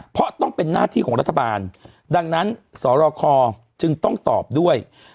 เพราะต้องเป็นหน้าที่ของรัฐบาลดังนั้นสรคอจึงต้องตอบด้วย